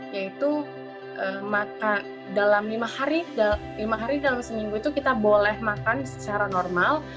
yaitu dalam lima hari dalam seminggu itu kita boleh makan secara normal